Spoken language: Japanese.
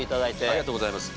ありがとうございます。